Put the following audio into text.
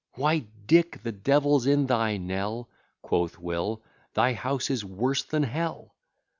Why, Dick! the devil's in thy Nell, (Quoth Will,) thy house is worse than Hell.